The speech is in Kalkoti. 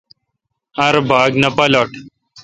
ہر باگ نہ پالٹل۔